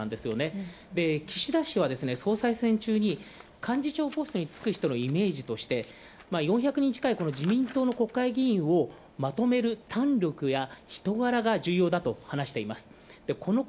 岸田氏は総裁選中に幹事長ポストにつくイメージとして４００人近いこの自民党の国会議員をまとめる胆力や人柄が重要だと話しています。